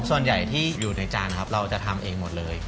ส่วนใหญ่ที่อยู่ในจานนะครับเราจะทำเองหมดเลย